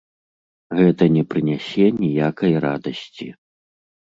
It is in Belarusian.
Гэта не прынясе ніякай радасці.